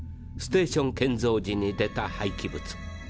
ステーション建造時に出たはいき物。